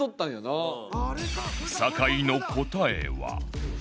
酒井の答えは